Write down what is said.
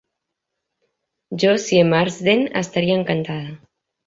Josie Marsden estaria encantada.